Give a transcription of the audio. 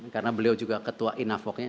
karena beliau juga ketua inavok nya